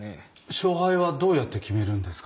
勝敗はどうやって決めるんですか？